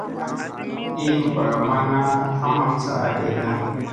Iin ɓaraw manna ha maŋ saa ɗeeɗa.